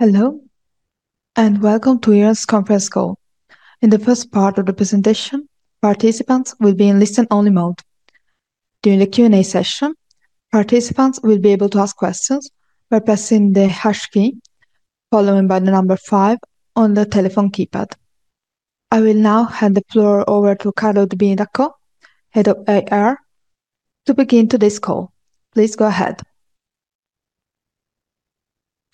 Hello, and welcome to Iren's conference call. In the first part of the presentation, participants will be in listen-only mode. During the Q&A session, participants will be able to ask questions by pressing the hash key, followed by the number five on the telephone keypad. I will now hand the floor over to Carlo Dacco', Head of IR, to begin today's call. Please go ahead.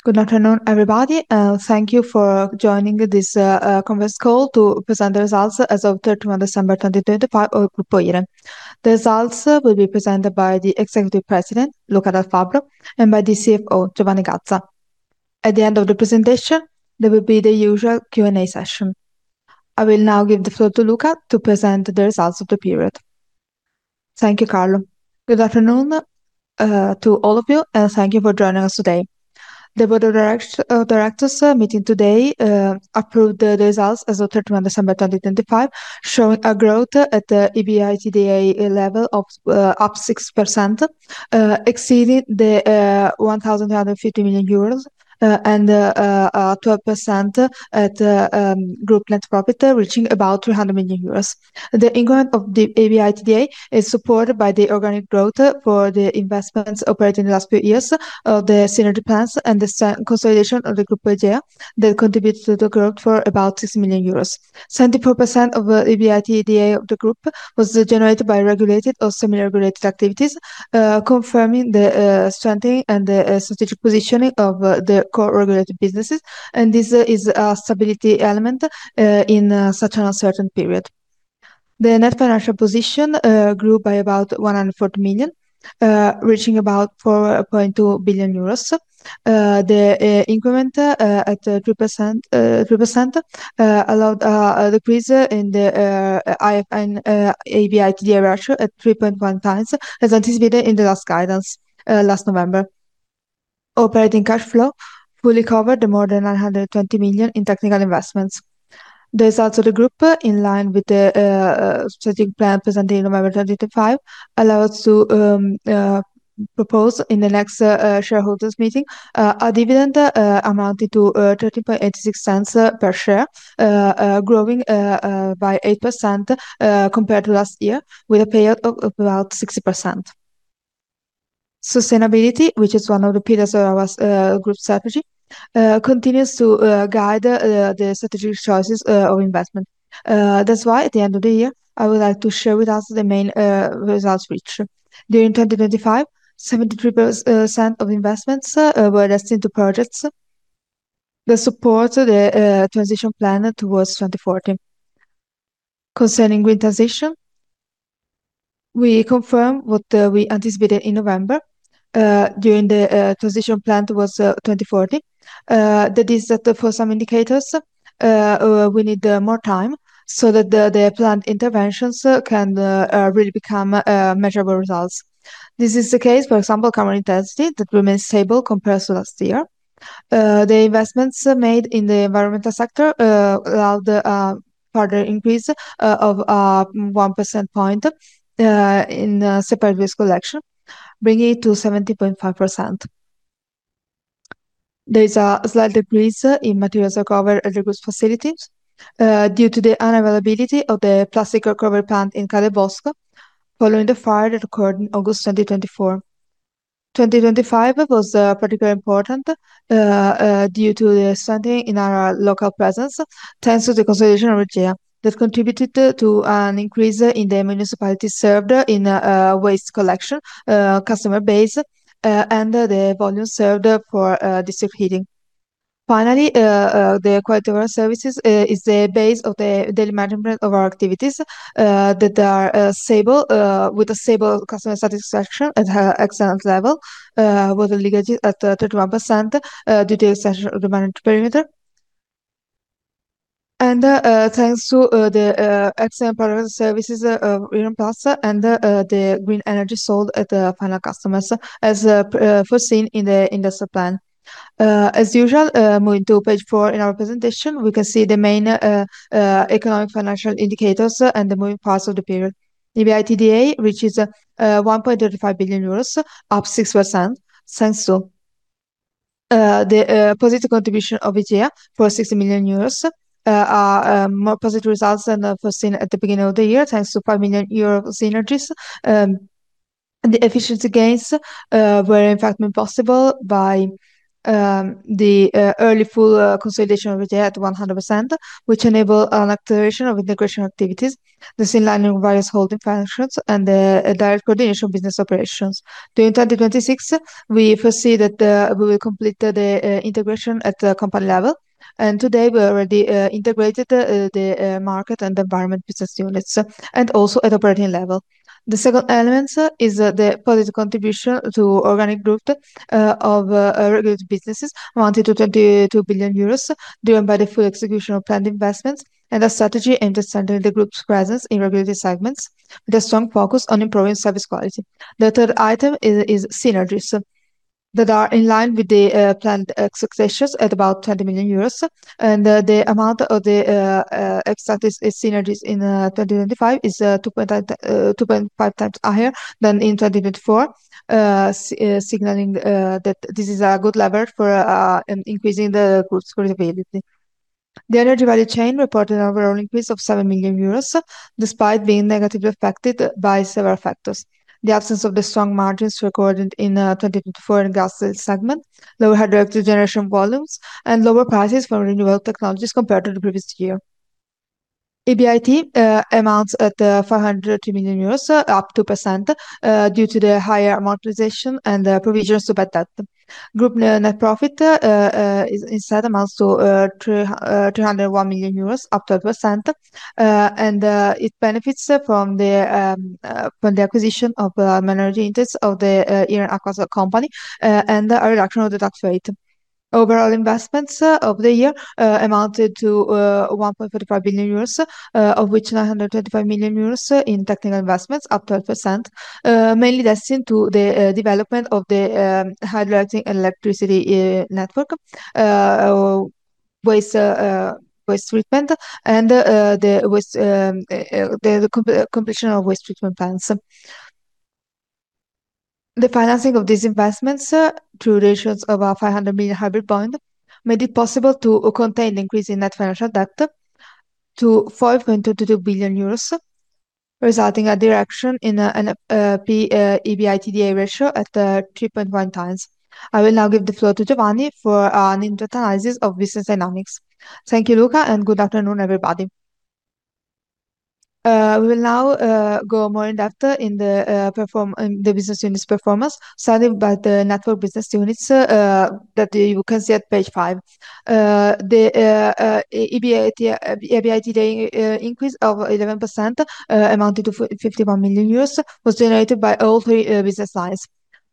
Good afternoon, everybody, and thank you for joining this conference call to present the results as of 13th December 2025 of Gruppo Iren. The results will be presented by the Executive President, Luca Dal Fabbro, and by the CFO, Giovanni Gazza. At the end of the presentation, there will be the usual Q&A session. I will now give the floor to Luca to present the results of the period. Thank you, Carlo. Good afternoon to all of you, and thank you for joining us today. The board of directors meeting today approved the results as of 13th December 2025, showing a growth at the EBITDA level of up 6%, exceeding the 1.350 billion euros, and 12% at group net profit, reaching about 300 million euros. The increment of the EBITDA is supported by the organic growth for the investments operating the last few years of the synergy plans and the consolidation of the [Group Iren] that contributes to the growth for about 6 million euros. 74% of EBITDA of the group was generated by regulated or semi-regulated activities, confirming the strengthening and the strategic positioning of the core regulated businesses, and this is a stability element in such an uncertain period. The net financial position grew by about 140 million, reaching about 4.2 billion euros. The increment at 3% allowed a decrease in the NFP/EBITDA ratio at 3.1x, as anticipated in the last guidance last November. Operating cash flow fully covered the more than 920 million in technical investments. The results of the group, in line with the strategic plan presented in November 2025, allows to propose in the next shareholders' meeting a dividend amounting to EUR 0.3086 per share, growing by 8% compared to last year, with a payout of about 60%. Sustainability, which is one of the pillars of our group strategy, continues to guide the strategic choices of investment. That's why at the end of the year, I would like to share with us the main results reached. During 2025, 73% of investments were invested into projects that support the transition plan towards 2040. Concerning transition, we confirm what we anticipated in November during the transition plan towards 2040. That is, for some indicators, we need more time so that the planned interventions can really become measurable results. This is the case, for example, carbon intensity that remains stable compared to last year. The investments made in the environmental sector allowed a further increase of 1 percentage point in separate waste collection, bringing it to 70.5%. There is a slight decrease in materials recovered at the group's facilities due to the unavailability of the plastic recovery plant in Cadelbosco, following the fire that occurred in August 2024. 2025 was particularly important due to the strengthening in our local presence, thanks to the consolidation of Egea. That contributed to an increase in the municipalities served in waste collection, customer base, and the volume served for district heating. Finally, the quality of our services is the base of the daily management of our activities that are stable, with a stable customer satisfaction at an excellent level, with the loyalty at 31%, due to expansion of the managed perimeter. Thanks to the excellent product services of Iren Plus and the green energy sold at the final customers as foreseen in the industrial plan. As usual, moving to page four in our presentation, we can see the main economic financial indicators and the moving parts of the period. EBITDA, which is 1.35 billion euros, up 6%, thanks to the positive contribution of Egea for 60 million euros, more positive results than foreseen at the beginning of the year, thanks to 5 million euro synergies. The efficiency gains were in fact made possible by the early full consolidation of Egea at 100%, which enabled an acceleration of integration activities, thus aligning various holding functions and the direct coordination of business operations. During 2026, we foresee that we will complete the integration at the company level, and today we already integrated the market and environment business units, and also at operating level. The second element is the positive contribution to organic growth of regulated businesses amounting to 22 billion euros, driven by the full execution of planned investments and a strategy aimed at strengthening the group's presence in regulated segments with a strong focus on improving service quality. The third item is synergies that are in line with the planned success rates at about 20 million euros, and the amount of the extracted synergies in 2025 is 2.5x. higher than in 2024, signaling that this is a good lever for increasing the group's profitability. The energy value chain reported an overall increase of 7 million euros, despite being negatively affected by several factors. The absence of the strong margins recorded in 2024 in gas segment, lower hydroelectric generation volumes, and lower prices for renewable technologies compared to the previous year. EBIT amounts at 402 million euros, up 2%, due to the higher amortization and provisions to bad debt. Group net profit instead amounts to 301 million euros, up 12%, and it benefits from the acquisition of minority interests of the Iren Acqua company, and a reduction of the tax rate. Overall investments of the year amounted to 1.35 billion euros, of which 925 million euros in technical investments, up 12%, mainly destined to the development of the hydroelectric network, waste treatment and the completion of waste treatment plants. The financing of these investments through the issue of a 500 million hybrid bond made it possible to contain the increase in net financial debt to 5.22 billion euros, resulting in a reduction in the NFP/EBITDA ratio at 3.1x. I will now give the floor to Giovanni for an in-depth analysis of business dynamics. Thank you, Luca, and good afternoon, everybody. We'll now go more in depth in the perform... In the business units performance, starting by the network business units that you can see at page five. The EBITDA increase of 11% amounted to 51 million euros, was generated by all three business lines.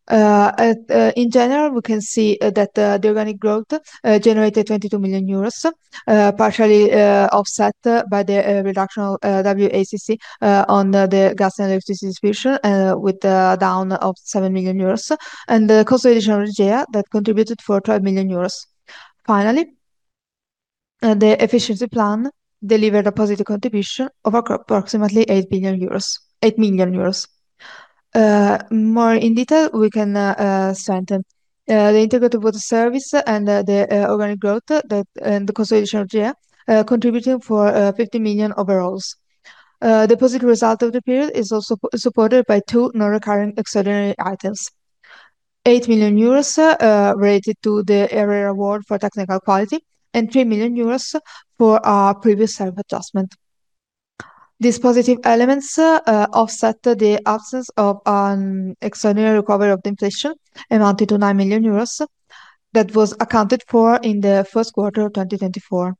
In general, we can see that the organic growth generated 22 million euros, partially offset by the reduction WACC on the gas and electricity distribution with the down of 7 million euros and the consolidation of Egea that contributed for 12 million euros. Finally, the efficiency plan delivered a positive contribution of approximately 8 million euros. More in detail, we can see the strength in the integrated water service and the organic growth and the consolidation of Egea contributing for 50 million overall. The positive result of the period is also supported by two non-recurring extraordinary items. 8 million euros related to the ARERA award for technical quality and 3 million euros for our previous year adjustment. These positive elements offset the absence of an extraordinary recovery of the inflation amounted to 9 million euros that was accounted for in the first quarter of 2024.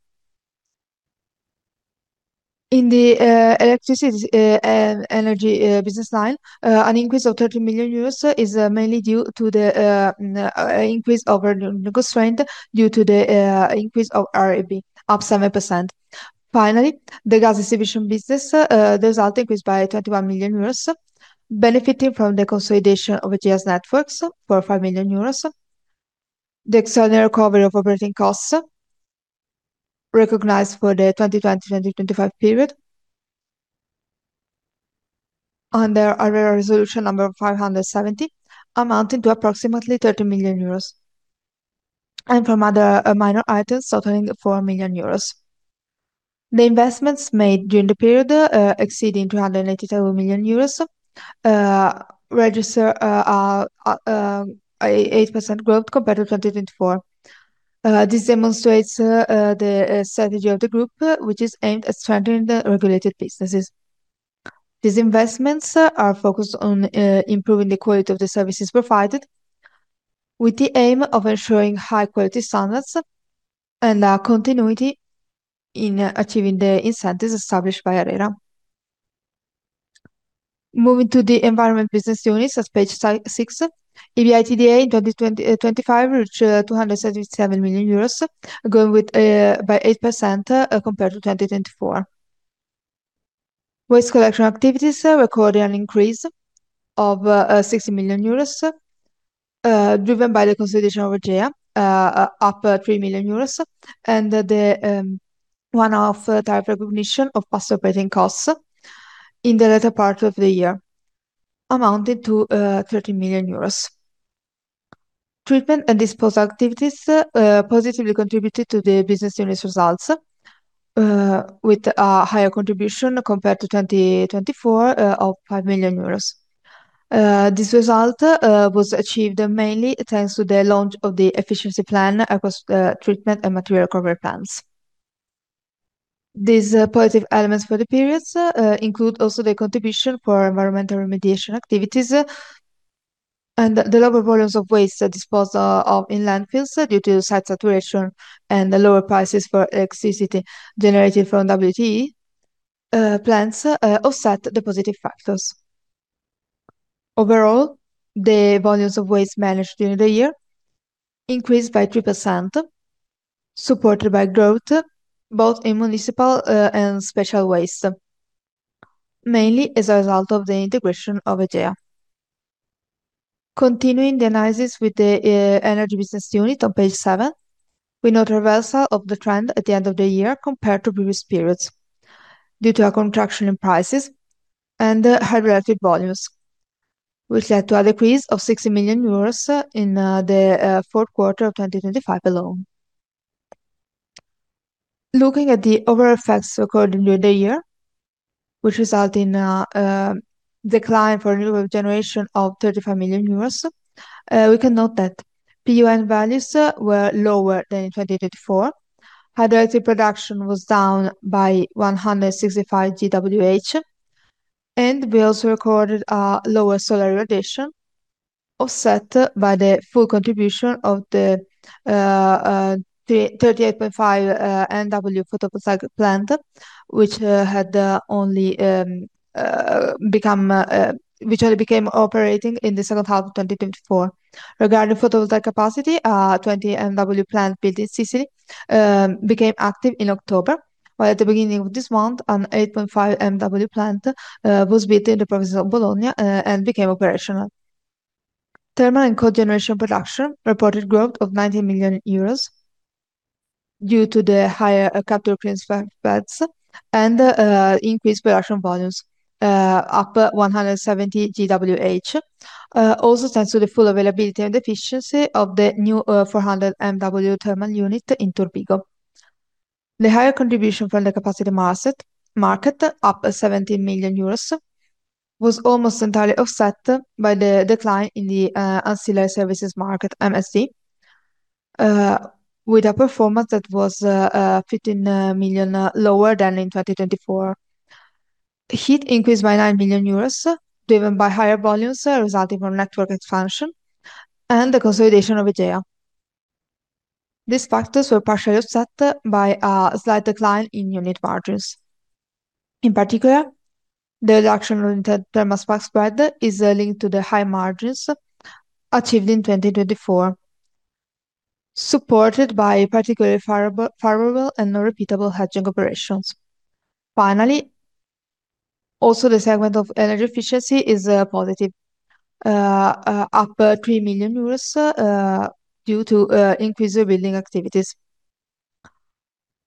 In the electricity energy business line, an increase of 30 million euros is mainly due to the increase of revenue constraint due to the increase of RAB, up 7%. The gas distribution business, the result increased by 21 million euros, benefiting from the consolidation of Egea's networks for 5 million euros. The extraordinary recovery of operating costs recognized for the 2025 period under ARERA resolution number 570, amounting to approximately 30 million euros, and from other minor items totaling 4 million euros. The investments made during the period exceeding 282 million euros register 8% growth compared to 2024. This demonstrates the strategy of the group, which is aimed at strengthening the regulated businesses. These investments are focused on improving the quality of the services provided with the aim of ensuring high quality standards and continuity in achieving the incentives established by ARERA. Moving to the environment business units at page six. EBITDA in 2025 reached 277 million euros, growing by 8% compared to 2024. Waste collection activities recorded an increase of 60 million euros, driven by the consolidation of Egea, up 3 million euros and the one-off type recognition of past operating costs in the latter part of the year, amounting to 13 million euros. Treatment and disposal activities positively contributed to the business units results, with a higher contribution compared to 2024 of 5 million euros. This result was achieved mainly thanks to the launch of the efficiency plan across the treatment and material recovery plans. These positive elements for the periods include also the contribution for environmental remediation activities and the lower volumes of waste disposed of in landfills due to site saturation and the lower prices for electricity generated from WTE plants offset the positive factors. Overall, the volumes of waste managed during the year increased by 3%, supported by growth both in municipal and special waste, mainly as a result of the integration of Egea. Continuing the analysis with the energy business unit on page seven. We note reversal of the trend at the end of the year compared to previous periods due to a contraction in prices and hydroelectric volumes, which led to a decrease of 60 million euros in the fourth quarter of 2025 alone. Looking at the overall effects recorded during the year, which result in a decline for renewable generation of 35 million euros, we can note that PUN values were lower than in 2024. Hydroelectricity production was down by 165 GWh, and we also recorded a lower solar radiation offset by the full contribution of the 38.5 MW photovoltaic plant, which only became operating in the second half of 2024. Regarding photovoltaic capacity, a 20 MW plant built in Sicily became active in October. While at the beginning of this month, an 8.5 MW plant was built in the province of Bologna and became operational. Thermal and cogeneration production reported growth of 90 million euros due to the higher capacity factors and increased production volumes up 170 GWh. Also thanks to the full availability and efficiency of the new 400 MW thermal unit in Turbigo. The higher contribution from the capacity market, up 17 million euros, was almost entirely offset by the decline in the ancillary services market, MSD, with a performance that was 15 million lower than in 2024. Heat increased by 9 million euros, driven by higher volumes resulting from network expansion and the consolidation of Egea. These factors were partially offset by a slight decline in unit margins. In particular, the reduction in spark spread is linked to the high margins achieved in 2024, supported by particularly favorable and non-repeatable hedging operations. Finally, also the segment of energy efficiency is positive, up 3 million euros, due to increased rebuilding activities.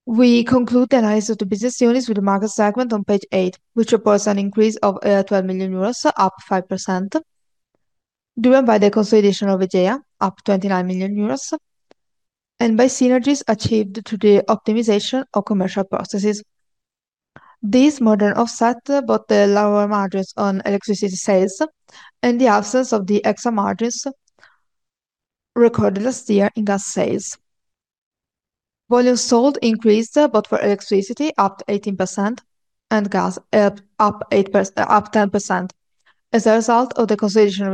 We conclude the analysis of the business units with the market segment on page eight, which reports an increase of 12 million euros, up 5%, driven by the consolidation of Egea, up 29 million euros, and by synergies achieved through the optimization of commercial processes. These more than offset both the lower margins on electricity sales and the absence of the extra margins recorded last year in gas sales. Volumes sold increased both for electricity, up 18%, and gas, up 10% as a result of the consolidation of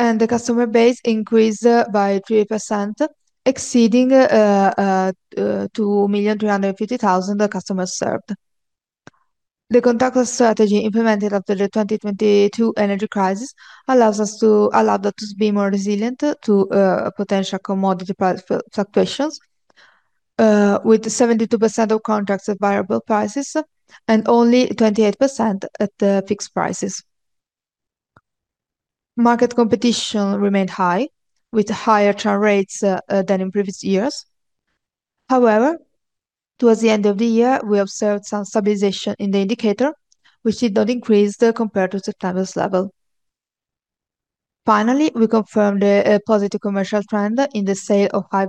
Egea. The customer base increased by 3%, exceeding 2,350,000 customers served. The contractual strategy implemented after the 2022 energy crisis allows us to... Allowed us to be more resilient to potential commodity price fluctuations with 72% of contracts at variable prices and only 28% at the fixed prices. Market competition remained high, with higher churn rates than in previous years. However, towards the end of the year, we observed some stabilization in the indicator, which did not increase compared to September's level. Finally, we confirmed a positive commercial trend in the sale of high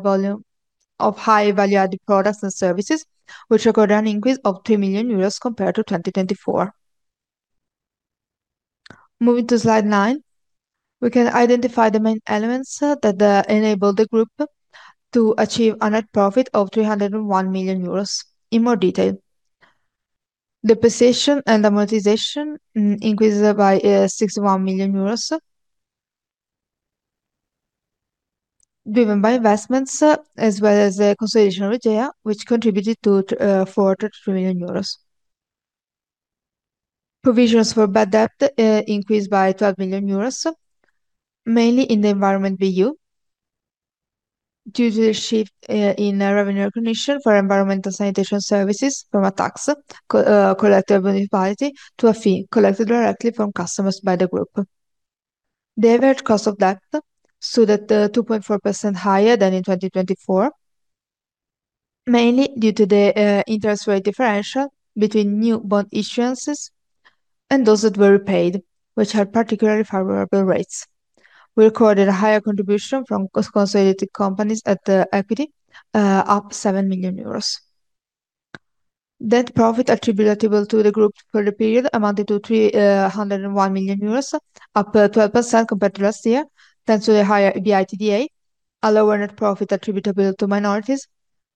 value-added products and services, which recorded an increase of 3 million euros compared to 2024. Moving to slide nine, we can identify the main elements that enabled the group to achieve a net profit of 301 million euros. In more detail, depreciation and amortization increased by EUR 61 million, driven by investments as well as the consolidation of Egea, which contributed 33 million euros. Provisions for bad debt increased by 12 million euros, mainly in the Environment BU, due to the shift in revenue recognition for environmental sanitation services from a tax collected by municipality to a fee collected directly from customers by the group. The average cost of debt stood at 2.4% higher than in 2024, mainly due to the interest rate differential between new bond issuances and those that were repaid, which had particularly favorable rates. We recorded a higher contribution from consolidated companies at the equity, up 7 million euros. Net profit attributable to the group for the period amounted to 301 million euros, up 12% compared to last year, thanks to the higher EBITDA, a lower net profit attributable to minorities,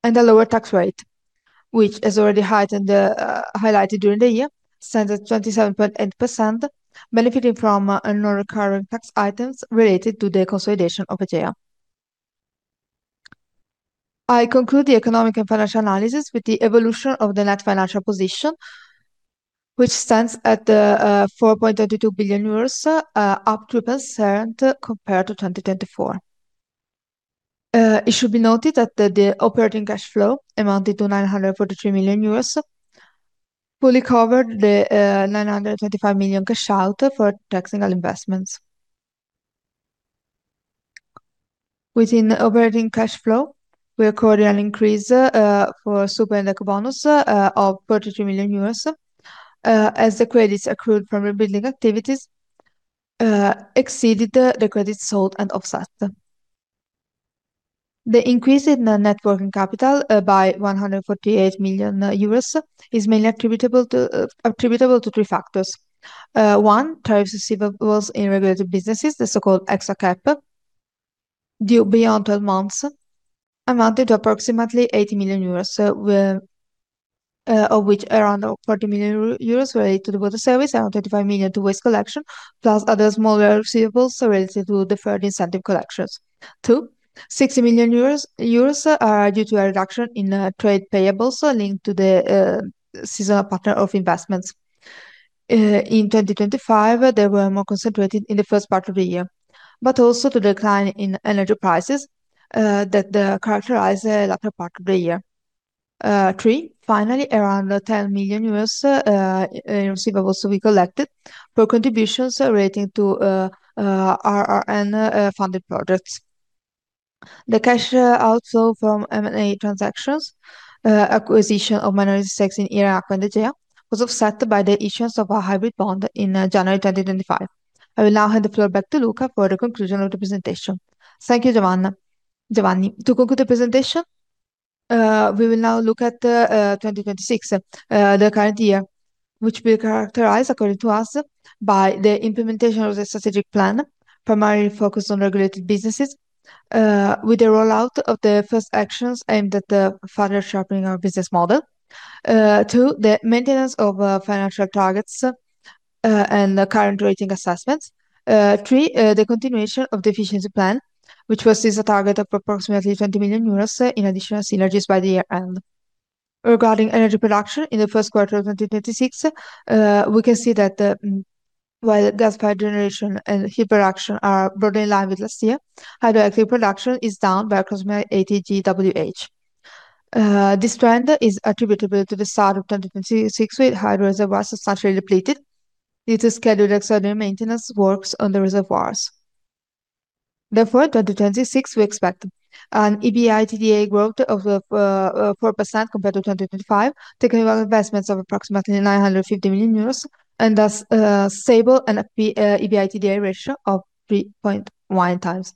and a lower tax rate, which, as already highlighted during the year, stands at 27.8%, benefiting from non-recurring tax items related to the consolidation of Egea. I conclude the economic and financial analysis with the evolution of the net financial position, which stands at 4.32 billion euros, up 3% compared to 2024. It should be noted that the operating cash flow amounted to 943 million euros, fully covered the 925 million cash out for CapEx investments. Within operating cash flow, we recorded an increase for Superbonus of 43 million euros, as the credits accrued from rebuilding activities exceeded the credits sold and offset. The increase in the net working capital by 148 million euros is mainly attributable to three factors. One, tariff receivables in regulated businesses, the so-called extra cap, due beyond 12 months amounted to approximately 80 million euros. So, of which around 40 million euros related to water service and 35 million to waste collection, plus other smaller receivables related to deferred incentive collections. 260 million euros are due to a reduction in trade payables linked to the seasonal pattern of investments. In 2025, they were more concentrated in the first part of the year, but also to decline in energy prices that characterize the latter part of the year. Three, finally, around 10 million euros in receivables will be collected for contributions relating to PNRR funded projects. The cash outflow from M&A transactions, acquisition of minority stakes in Iren Acqua and Egea was offset by the issuance of a hybrid bond in January 2025. I will now hand the floor back to Luca for the conclusion of the presentation. Thank you, Giovanni. To conclude the presentation, we will now look at 2026, the current year, which will be characterized, according to us, by the implementation of the strategic plan, primarily focused on regulated businesses, with the rollout of the first actions aimed at further sharpening our business model. Two, the maintenance of financial targets and the current rating assessments. Three, the continuation of the efficiency plan, which was set a target of approximately 20 million euros in additional synergies by the year-end. Regarding energy production in the first quarter of 2026, we can see that, while gas-fired generation and heat production are broadly in line with last year, hydroelectric production is down by approximately 80 GWh. This trend is attributable to the start of 2026, with hydro reservoirs substantially depleted due to scheduled extraordinary maintenance works on the reservoirs. Therefore, in 2026, we expect an EBITDA growth of 4% compared to 2025, technical investments of approximately 950 million euros, and thus, stable NFP/EBITDA ratio of 3.1x.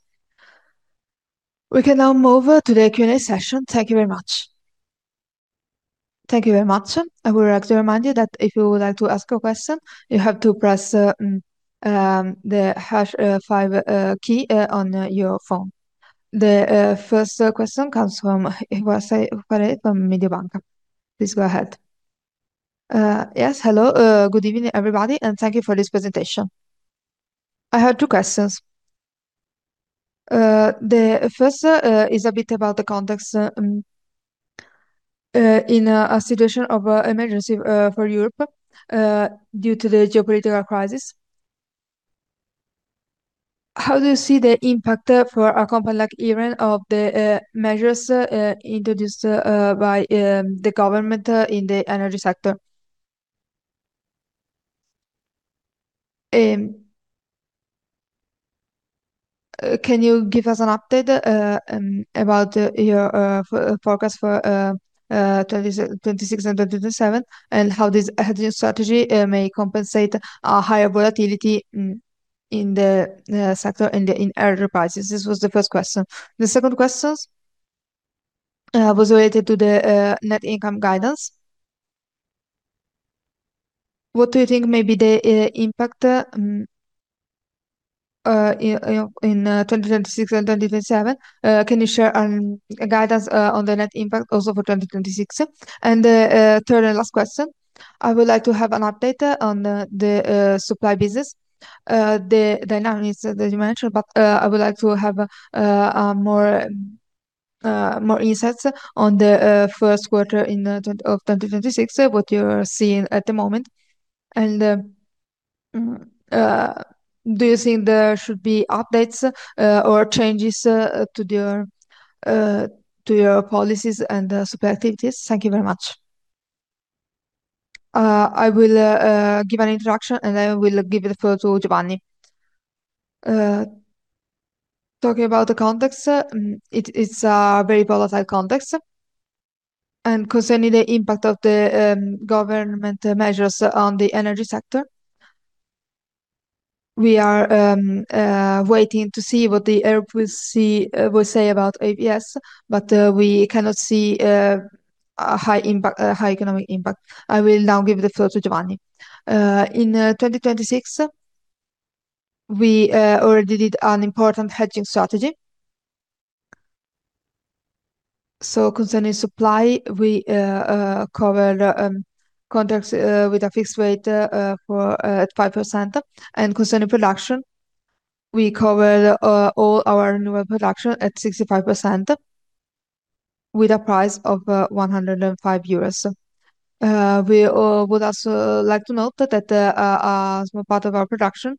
We can now move to the Q&A session. Thank you very much. I would like to remind you that if you would like to ask a question, you have to press the hash five key on your phone. The first question comes from Javier Suarez from Mediobanca. Please go ahead. Yes. Hello. Good evening, everybody, and thank you for this presentation. I have two questions. The first is a bit about the context in a situation of emergency for Europe due to the geopolitical crisis. How do you see the impact for a company like Iren of the measures introduced by the government in the energy sector? Can you give us an update about your forecast for 2026 and 2027, and how this hedging strategy may compensate a higher volatility in the sector and in energy prices? This was the first question. The second question was related to the net income guidance. What do you think may be the impact in 2026 and 2027? Can you share guidance on the net impact also for 2026? Third and last question, I would like to have an update on the supply business. The dynamics that you mentioned, but I would like to have more insights on the first quarter of 2026, what you're seeing at the moment. Do you think there should be updates or changes to your policies and supply activities? Thank you very much. I will give an introduction, and then we'll give the floor to Giovanni. Talking about the context, it is a very volatile context. Concerning the impact of the government measures on the energy sector, we are waiting to see what Europe will say about ABS, but we cannot see a high impact, a high economic impact. I will now give the floor to Giovanni. In 2026, we already did an important hedging strategy. Concerning supply, we covered contracts with a fixed rate at 5%. Concerning production, we covered all our renewable production at 65% with a price of 105 euros. We would also like to note that a small part of our production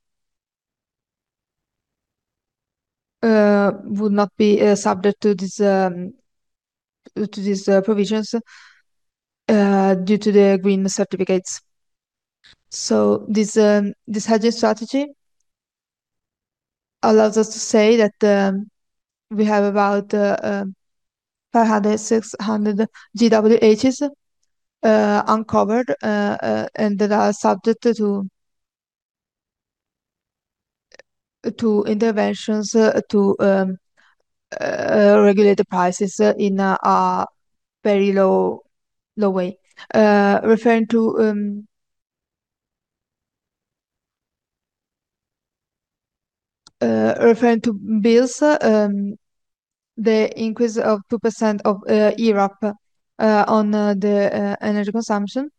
would not be subject to these provisions due to the green certificates. This hedging strategy allows us to say that we have about 500-600 GWh uncovered and that are subject to interventions to regulate the prices in a very low way. Referring to bills, the increase of 2% of IRAP on the energy consumption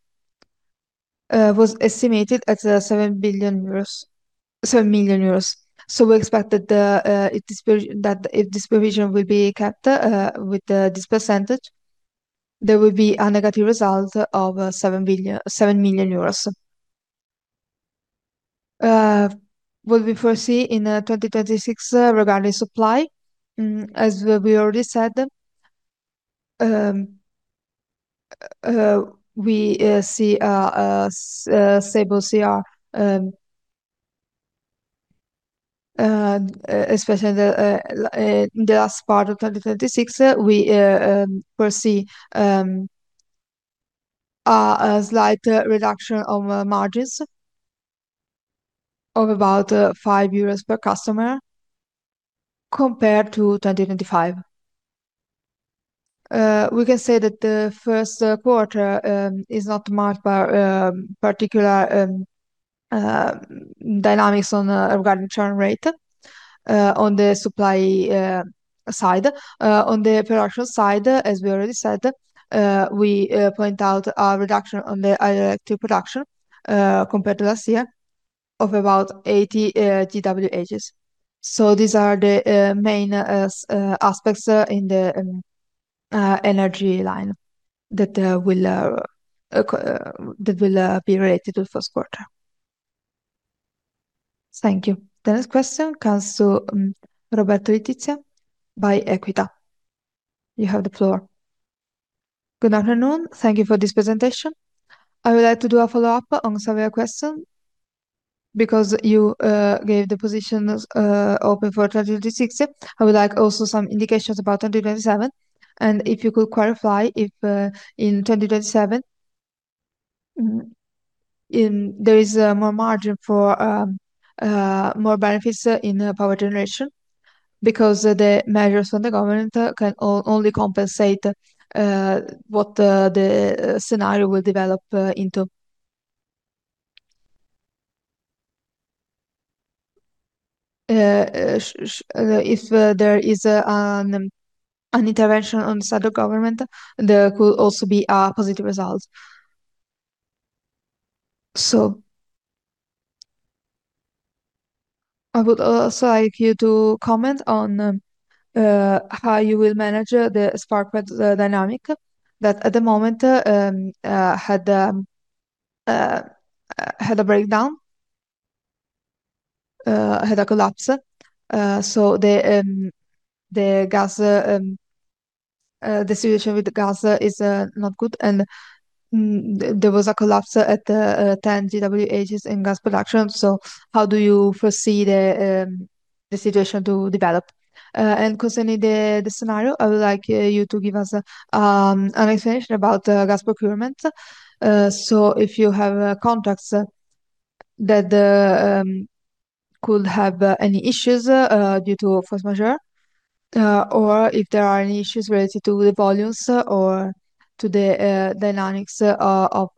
was estimated at 7 billion euros, 7 million euros. We expect that if this provision will be kept with this percentage, there will be a negative result of 7 billion, 7 million euros. What we foresee in 2036 regarding supply, as we already said, we see a stable CR, and especially in the last part of 2036, we foresee a slight reduction of margins of about 5 euros per customer compared to 2025. We can say that the first quarter is not marked by particular dynamics regarding churn rate on the supply side. On the production side, as we already said, we point out a reduction on the hydroelectric production compared to last year of about 80 GWh. These are the main aspects in the energy line that will be related to first quarter. Thank you. The next question comes to Roberto Letizia by Equita. You have the floor. Good afternoon. Thank you for this presentation. I would like to do a follow-up on some of your question because you gave the positions open for 2036. I would like also some indications about 2027, and if you could clarify if in 2027 there is more margin for more benefits in power generation because the measures from the government can only compensate what the scenario will develop into. If there is an intervention on the side of government, there could also be a positive result. I would also like you to comment on how you will manage the spark spread dynamic that at the moment had a collapse. The gas situation with gas is not good, and there was a collapse at 10 GWh in gas production. How do you foresee the situation to develop? Concerning the scenario, I would like you to give us an explanation about gas procurement. If you have contracts that could have any issues due to force majeure, or if there are any issues related to the volumes or to the dynamics of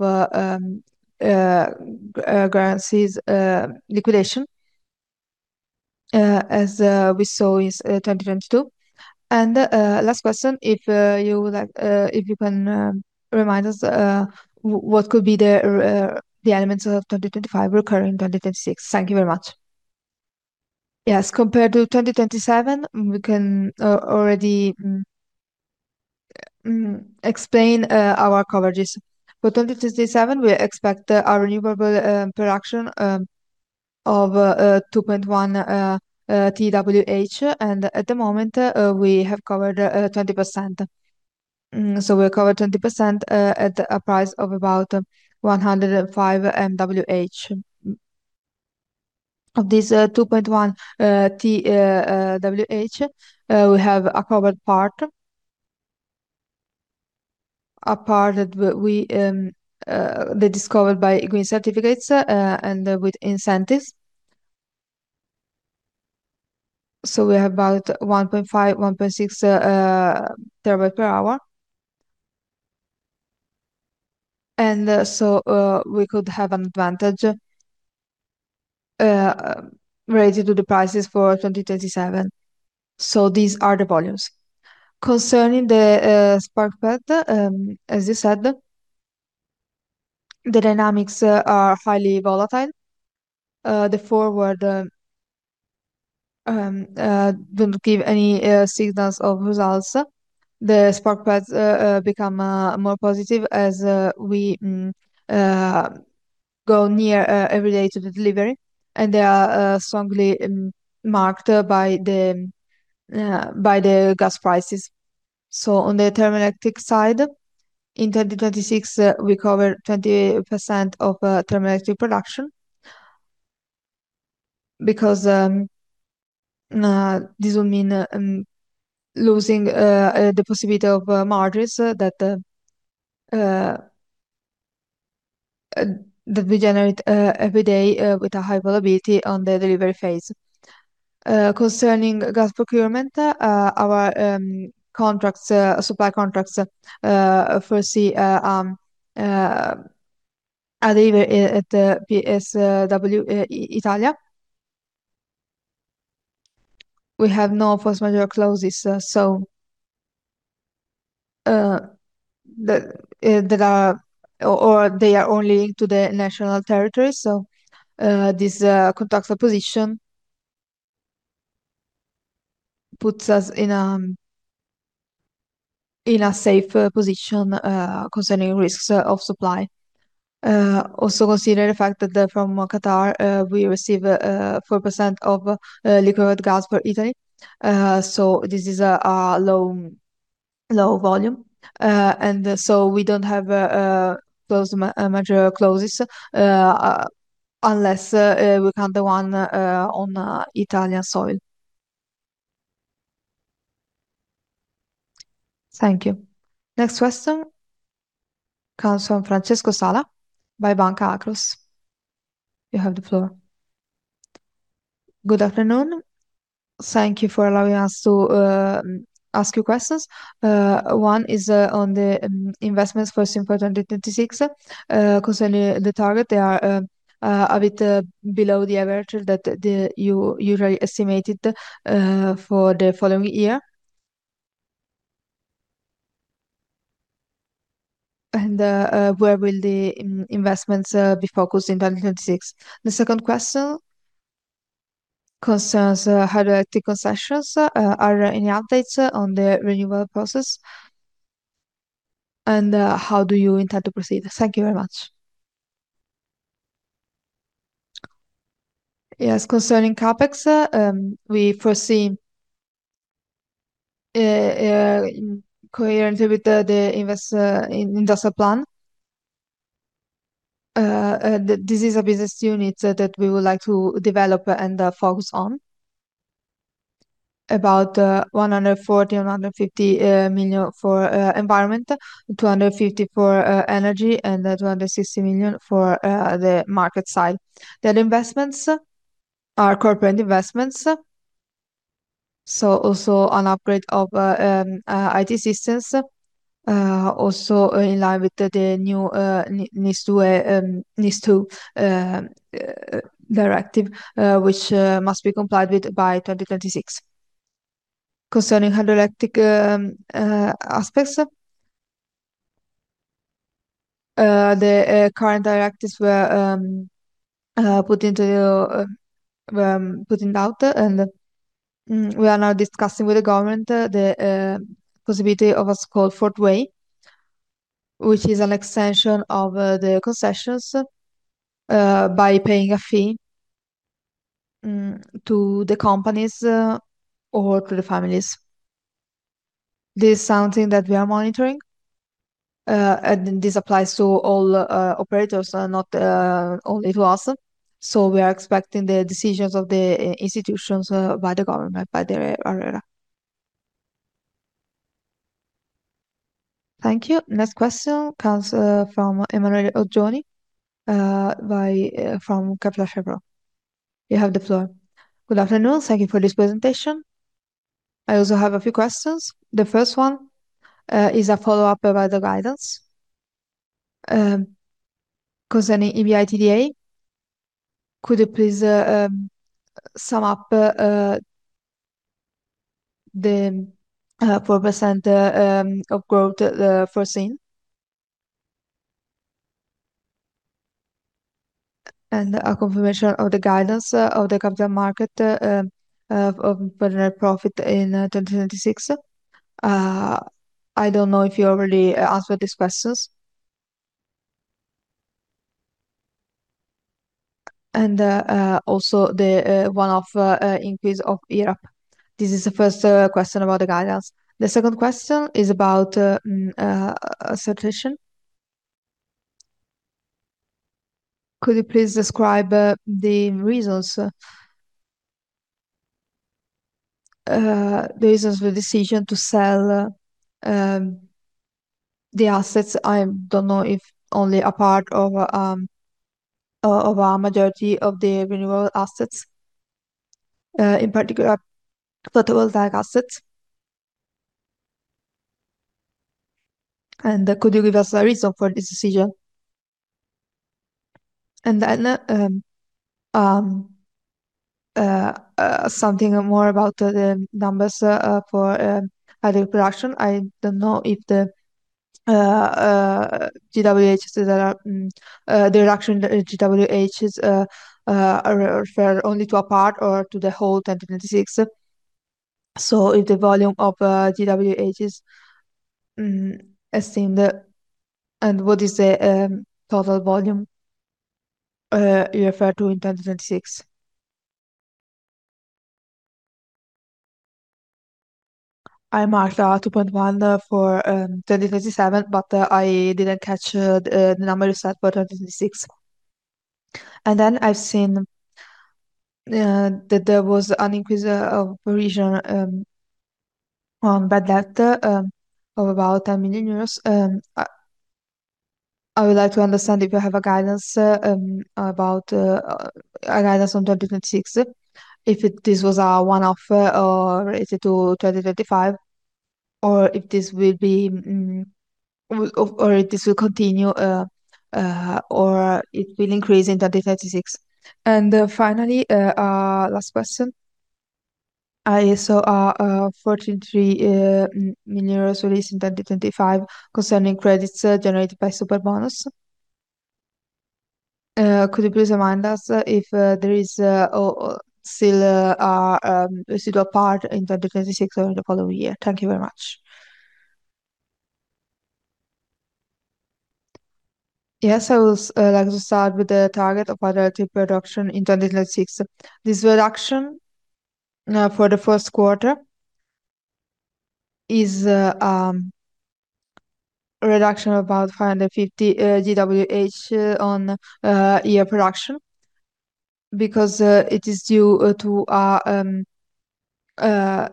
guarantees liquidation, as we saw in 2022. Last question, if you would like, if you can remind us what could be the elements of 2025 recurring in 2036. Thank you very much. Yes, compared to 2027, we can already explain our coverages. For 2037, we expect our renewable production of 2.1 TWh. At the moment, we have covered 20%. We cover 20% at a price of about 105 MWh. Of this 2.1 TWh, we have a covered part. A part that is covered by green certificates and with incentives. We have about 1.5-1.6 TWh. We could have an advantage related to the prices for 2037. These are the volumes. Concerning the spark spread, as you said, the dynamics are highly volatile. The forwards don't give any signals of results. The spark spreads become more positive as we go near every day to the delivery, and they are strongly marked by the gas prices. On the thermoelectric side, in 2026, we cover 20% of thermoelectric production. Because this will mean losing the possibility of margins that we generate every day with a high probability on the delivery phase. Concerning gas procurement, our supply contracts foresee arrive at the PSV, Italia. We have no force majeure clauses, so they are only to the national territory, so this contractual position puts us in a safe position concerning risks of supply. Also consider the fact that from Qatar we receive 4% of liquid gas for Italy, so this is a low volume. We don't have force majeure clauses unless we count the one on Italian soil. Thank you. Next question comes from Francesco Sala by Banca Akros. You have the floor. Good afternoon. Thank you for allowing us to ask you questions. One is on the investments for 2026. Concerning the target, they are a bit below the average that you really estimated for the following year. Where will the investments be focused in 2026? The second question concerns hydroelectric concessions. Are there any updates on the renewal process? How do you intend to proceed? Thank you very much. Yes, concerning CapEx, we foresee coherently with the industrial plan. This is a business unit that we would like to develop and focus on. About 140 million-150 million for environment, 250 million for energy, and 260 million for the market side. The other investments are corporate investments, so also an upgrade of IT systems, also in line with the new NIS2 directive, which must be complied with by 2026. Concerning hydroelectric aspects, the current directives were put in doubt, and we are now discussing with the government the possibility of a so-called fourth way, which is an extension of the concessions by paying a fee to the companies or to the families. This is something that we are monitoring, and this applies to all operators and not only to us. We are expecting the decisions of the institutions by the government, by the ARERA. Thank you. Next question comes from Emanuele Oggioni from Kepler Cheuvreux. You have the floor. Good afternoon. Thank you for this presentation. I also have a few questions. The first one is a follow-up about the guidance concerning EBITDA. Could you please sum up the 4% of growth foreseen? A confirmation of the guidance of the capacity market of net profit in 2026. I don't know if you already answered these questions. Also the one-off increase of IRAP. This is the first question about the guidance. The second question is about certification. Could you please describe the reasons for the decision to sell the assets? I don't know if only a part of or a majority of the renewable assets, in particular floating photovoltaic assets. Could you give us a reason for this decision? Something more about the numbers for hydro production. I don't know if the reduction in GWh refers only to a part or to the whole 2026. If the volume of GWh is assumed, and what is the total volume you refer to in 2026? I marked 2.1x for 2037, but I didn't catch the number you said for 2036. I've seen that there was an increase of provision by that of about 10 million. I would like to understand if you have a guidance about a guidance on 2026, if this was a one-off or related to 2035, or if this will continue or it will increase in 2036. Finally, last question. I saw 14.3 million released in 2025 concerning credits generated by Superbonus. Could you please remind us if there is or still a residual part in 2026 or in the following year? Thank you very much. Yes, I will like to start with the target of hydroelectric production in 2026. This reduction for the first quarter is a reduction of about 550 GWh on-year production because it is due to lower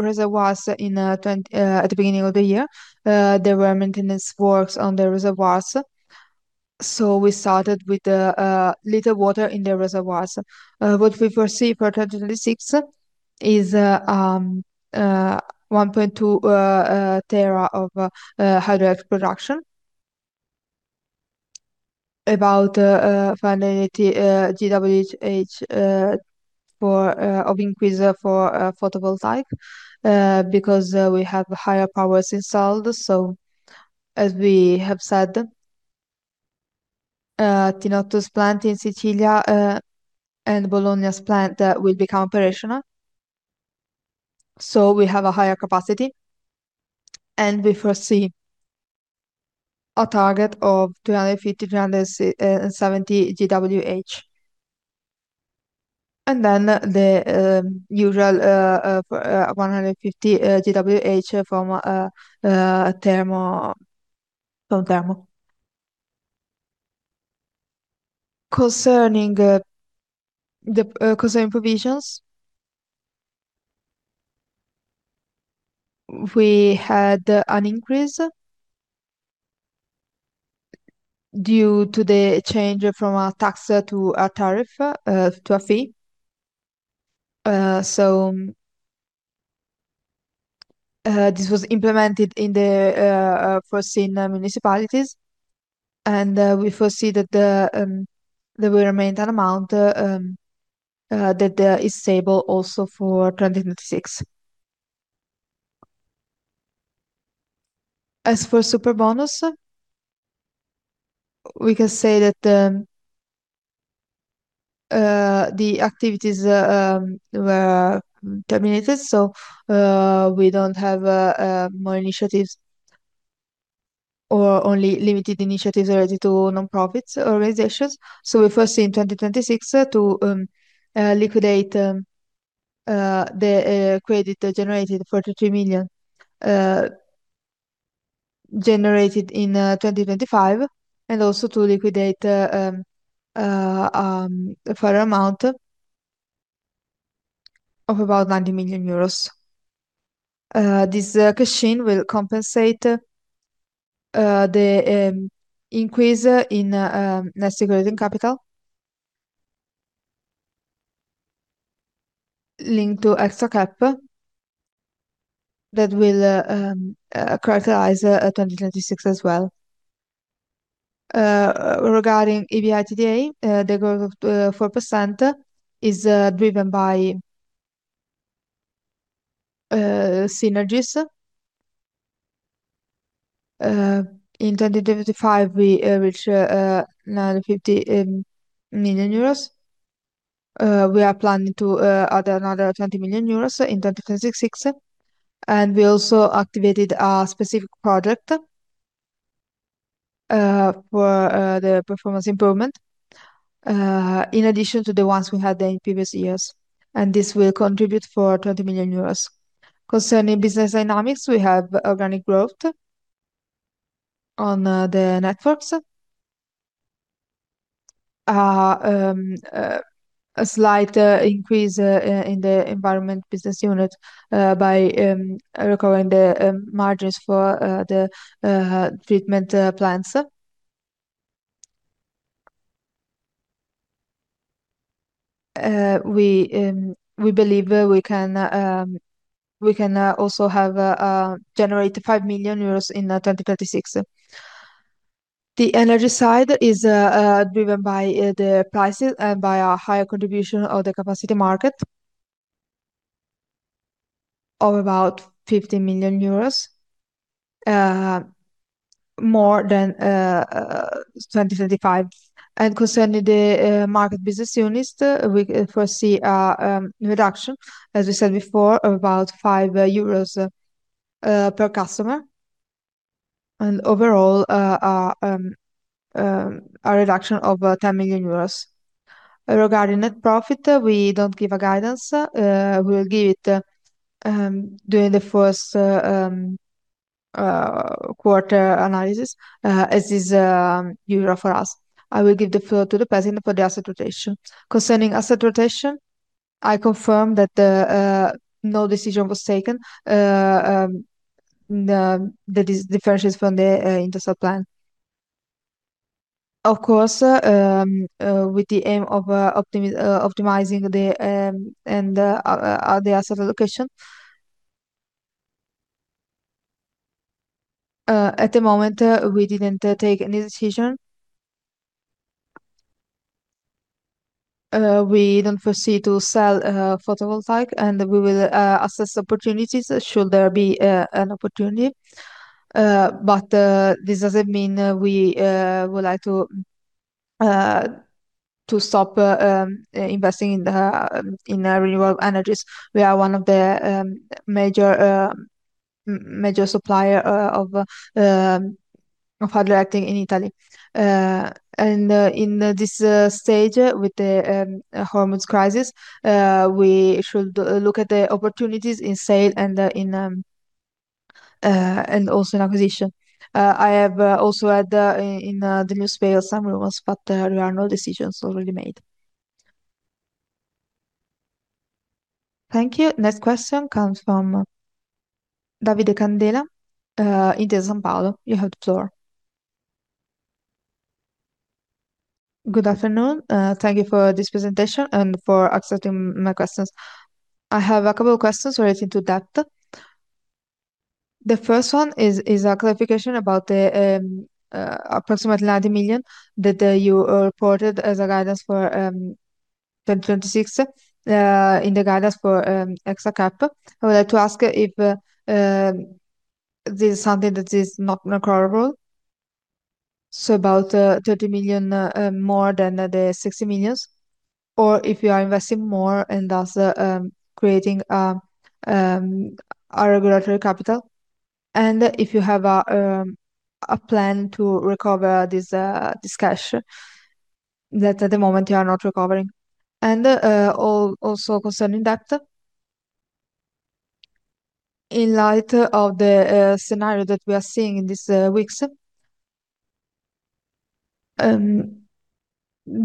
reservoirs at the beginning of the year. There were maintenance works on the reservoirs, so we started with little water in the reservoirs. What we foresee for 2026 is 1.2 TWh of hydroelectric production. About 590 GWh of increase for photovoltaic because we have higher powers installed. As we have said, Tinottos plant in Sicily and Bologna's plant will become operational. We have a higher capacity, and we foresee a target of 250-270 GWh. The usual 150 GWh from thermo. Concerning provisions, we had an increase due to the change from a tax to a tariff to a fee. This was implemented in the foreseen municipalities, and we foresee that there will remain that amount that is stable also for 2036. As for Superbonus, we can say that the activities were terminated, so we don't have more initiatives or only limited initiatives related to nonprofit organizations. We foresee in 2026 to liquidate the credit generated, 43 million, generated in 2025, and also to liquidate a fair amount of about EUR 90 million. This cash in will compensate the increase in net circulating capital linked to extra cap that will characterize 2026 as well. Regarding EBITDA, the growth of 4% is driven by synergies. In 2025 we reached 950 million euros. We are planning to add another 20 million euros in 2026. We also activated a specific project for the performance improvement in addition to the ones we had in previous years, and this will contribute for 20 million euros. Concerning business dynamics, we have organic growth on the networks. A slight increase in the environment business unit by recovering the margins for the treatment plants. We believe we can also generate 5 million euros in 2036. The energy side is driven by the prices and by a higher contribution of the capacity market of about EUR 50 million more than 2035. Concerning the market business units, we can foresee a reduction, as we said before, of about 5 euros per customer. Overall, a reduction of 10 million euros. Regarding net profit, we don't give a guidance. We'll give it during the first quarter analysis, as is usual for us. I will give the floor to the president for the asset rotation. Concerning asset rotation, I confirm that no decision was taken. That is differences from the industrial plan. Of course, with the aim of optimizing the other asset allocation. At the moment, we didn't take any decision. We don't foresee to sell photovoltaic, and we will assess opportunities should there be an opportunity. This doesn't mean we would like to stop investing in the renewable energies. We are one of the major supplier of hydroelectric in Italy. In this stage with the enormous crisis, we should look at the opportunities in sale and in acquisition. I have also read in the newspapers some rumors, but there are no decisions already made. Thank you. Next question comes from Davide Candela, Intesa Sanpaolo. You have the floor. Good afternoon. Thank you for this presentation and for accepting my questions. I have a couple questions relating to that. The first one is a clarification about the approximately 90 million that you reported as a guidance for 2026 in the guidance for extra cap. I would like to ask if this is something that is not recoverable, so about 30 million more than the 60 million, or if you are investing more and thus creating a regulatory capital. And if you have a plan to recover this cash that at the moment you are not recovering. Also concerning that, in light of the scenario that we are seeing in these weeks,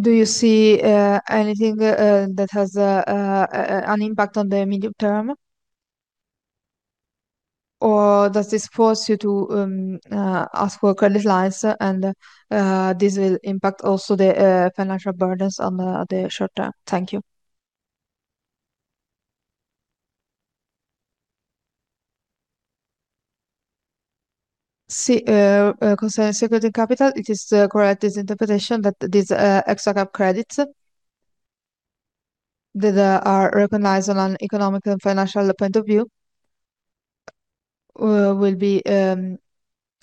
do you see anything that has an impact on the medium term? Or does this force you to ask for credit lines and this will impact also the financial burdens on the short term? Thank you. Concerning security capital, it is correct, this interpretation, that these extra cap credits that are recognized on an economic and financial point of view will be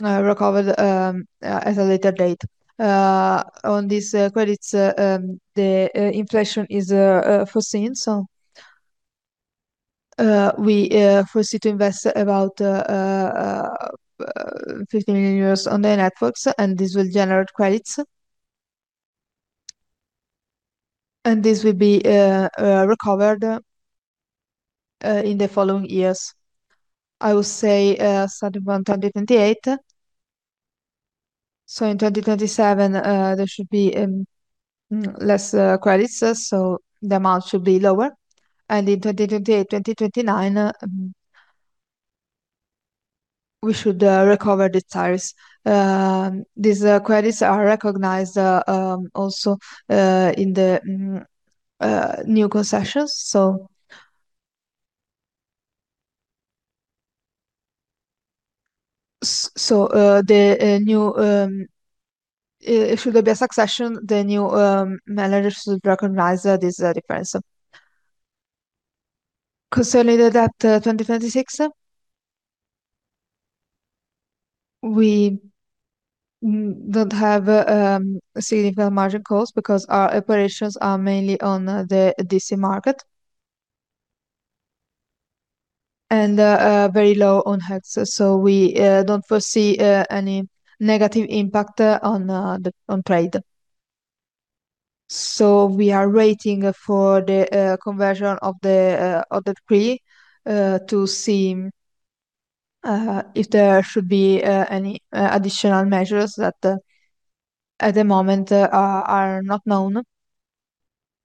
recovered at a later date. On these credits, the inflation is foreseen. We foresee to invest about 50 million euros on the networks, and this will generate credits. This will be recovered in the following years. I would say starting from 2028. In 2027, there should be less credits, so the amount should be lower. In 2028, 2029, we should recover the tariffs. These credits are recognized also in the new concessions. If there should be a succession, the new manager should recognize this difference. Concerning 2026, we don't have significant margin cost because our operations are mainly on the DC market. Very low on HECS, so we don't foresee any negative impact on trade. We are waiting for the conversion of the decree to see if there should be any additional measures that at the moment are not known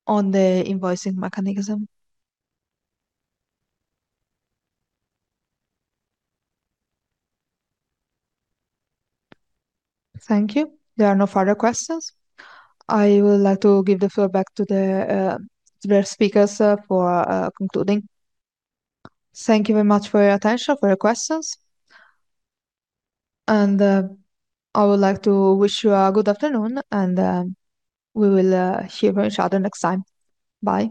on the invoicing mechanism. Thank you. There are no further questions. I would like to give the floor back to the speakers for concluding. Thank you very much for your attention, for your questions. I would like to wish you a good afternoon and we will hear from each other next time. Bye.